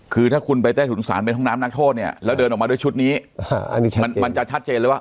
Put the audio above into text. คือถ้าคุณไปใต้ถุนศาลเป็นห้องน้ำนักโทษเนี่ยแล้วเดินออกมาด้วยชุดนี้มันจะชัดเจนเลยว่า